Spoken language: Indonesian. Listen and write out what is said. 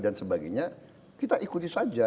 dan sebagainya kita ikuti saja